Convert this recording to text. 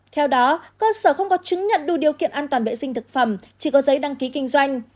theo đó cơ sở không có chứng nhận đủ điều kiện an toàn vệ sinh thực phẩm chỉ có giấy đăng ký kinh doanh